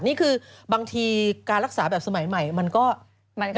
อันนี้คือบางทีการรักษาสมัยใหม่มันก็ได้ผลนะคะ